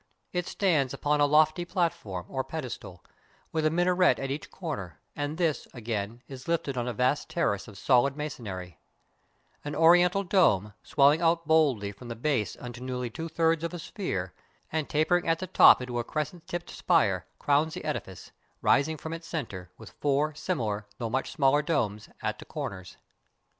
It stands upon a lofty platform, or pedestal, with a min aret at each corner, and this, again, is lifted on a vast 121 IXDIA terrace of solid masonr^^ An Oriental dome, swell ing out boldly from the base into nearly two thirds of a sphere, and tapering at the top into a crescent tipped spire, crowns the edifice, rising from its center, with four similar, though much smaller domes, at the corners.